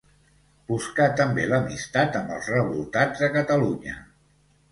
Buscà també l'amistat amb els revoltats a Catalunya.